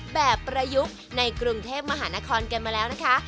ประยุกต์ในกรุงเทพมหานครกันมาแล้วนะคะ